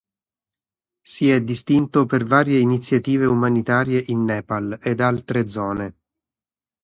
Si è distinto per varie iniziative umanitarie in Nepal ed altre zone.